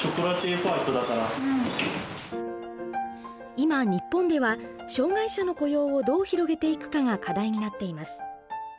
今日本では障害者の雇用をどう広げていくかが課題になっています。